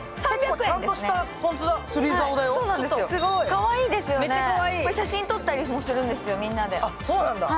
かわいいですよね、写真撮ったりもするんですよ、みんなで。